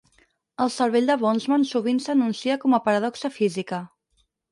El cervell de Boltzmann sovint s'enuncia com a paradoxa física.